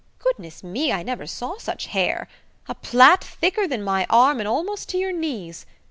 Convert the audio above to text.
Goodness me, I never saw such hair! A plait thicker than my arm and almost to your knees!